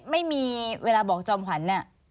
ไม่มีเวลาบอกจอมขวัญเนี่ย